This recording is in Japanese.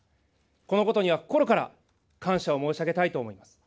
このことには心から感謝を申し上げたいと思います。